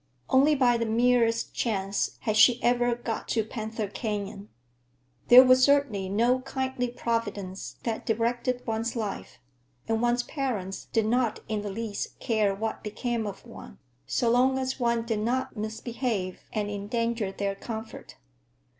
Only by the merest chance had she ever got to Panther Canyon. There was certainly no kindly Providence that directed one's life; and one's parents did not in the least care what became of one, so long as one did not misbehave and endanger their comfort.